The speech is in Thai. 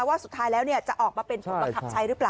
ว่าสุดท้ายแล้วจะออกมาเป็นผลบังคับใช้หรือเปล่า